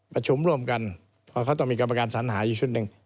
ประชุมร่วมกันเพราะเขาต้องมีกรรมการสัญหาอยู่ชุดหนึ่ง